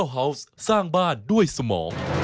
ชูเวทตีแสดหน้า